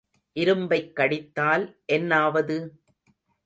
இரும்பைக் கடித்தால் என்னாவது!